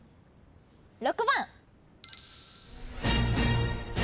６番。